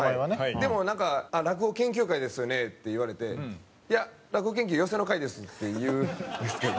でもなんか「落語研究会ですよね」って言われて「いや落語研究寄席の会です」って言うんですけど。